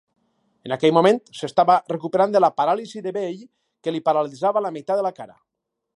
En aquell moment, s'estava recuperant de la paràlisi de Bell, que li paralitzava la meitat de la cara.